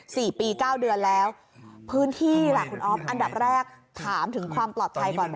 สี่ปีเก้าเดือนแล้วพื้นที่แหละคุณอ๊อฟอันดับแรกถามถึงความปลอดภัยก่อน